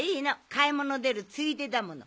買い物出るついでだもの。